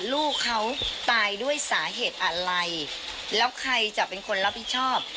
ลูกเขาตายด้วยสาเหตุอะไรแล้วใครจะเป็นคนรับผิดชอบ